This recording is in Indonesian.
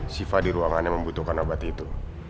siva di ruangannya membutuhkan obat itu